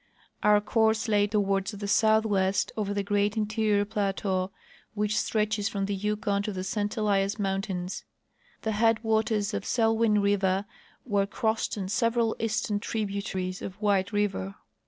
Our course lay toward the soutliAvest, over the great interior plateau which stretches from the Yukon to the St Elias mountains. The headwaters of Selwyn river Avere crossed and several eastern tributaries of White river.